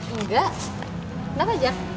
enggak kenapa jak